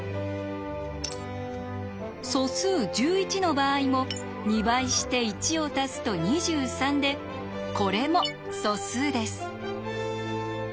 素数１１の場合も２倍して１を足すと２３でこれも素数です。